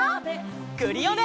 クリオネ！